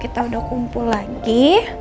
kita udah kumpul lagi